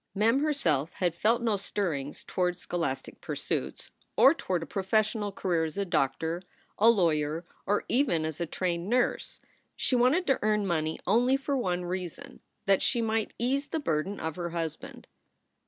Mem herself had felt no stirrings toward scholastic pur suits, or toward a professional career as a doctor, a lawyer, or even as a trained nurse. She wanted to earn money only for one reason that she might ease the burden of her husband.